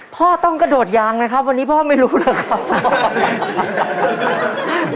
พ่อต้องกระโดดยางนะครับวันนี้พ่อไม่รู้เลยครับ